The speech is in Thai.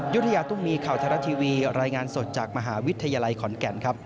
ยุธยาตุ้มีข่าวไทยรัฐทีวีรายงานสดจากมหาวิทยาลัยขอนแก่นครับ